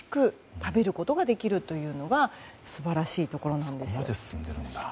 食べることができるのが素晴らしいところなんです。